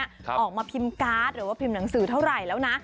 ออกมาพิมพ์การ์ดหรือว่าพิมพ์หนังสือเท่าไหร่แล้วนะ